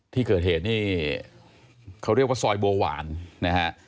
ที่เกิดเหตุนี่เขาเรียกว่าซอยบัวหวานนะฮะ